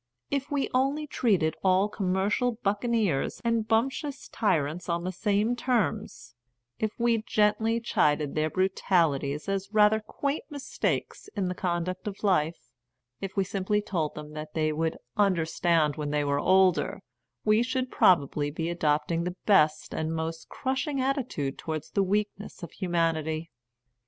If we only treated all commercial buccaneers and bumptious ty rants on the same terms, if we gently [SI] A Defence of Baby Worship chided their brutalities as rather quaint mis takes in the conduct of life, if we simply told them that they would '* understand when they were older," we should probably be adopting the best and most crushing attitude towards the weaknesses of hu manity.